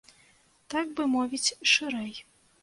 Так бы мовіць, шырэй.